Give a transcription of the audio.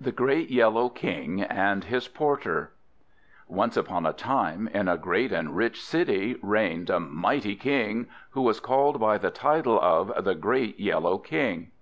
THE GREAT YELLOW KING AND HIS PORTER Once upon a time, in a great and rich city, reigned a mighty King, who was called by the title of the Great Yellow King.